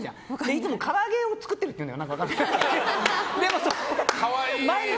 いつも、から揚げを作ってるっていうの。